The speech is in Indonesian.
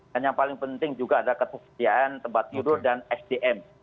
dan yang paling penting juga ada kepustiaan tempat turun dan sdm